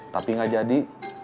tapi gak jadi